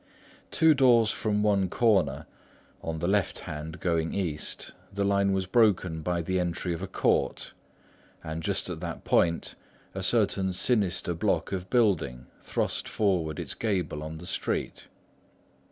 Two doors from one corner, on the left hand going east the line was broken by the entry of a court; and just at that point a certain sinister block of building thrust forward its gable on the street.